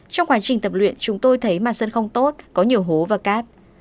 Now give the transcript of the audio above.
trong quá trình tập luyện chúng tôi thấy màn sân không tốt có nhiều hố và cát